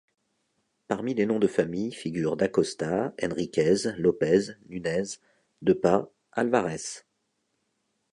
Parmi les noms de famille figurent Dacosta, Henriquez, Lopez, Nunez, Depas, Alvares.